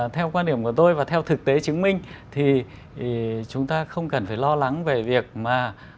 theo quan điểm của tôi và theo thực tế chứng minh thì chúng ta không cần phải lo lắng về việc mà